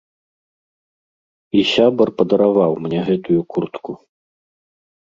І сябар падараваў мне гэтую куртку.